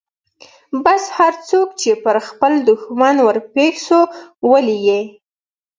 بس هرڅوک چې پر خپل دښمن ورپېښ سو ولي يې.